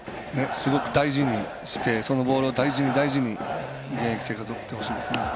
すごく大事にしてそのボールを大事に大事に現役生活を送ってほしいですね。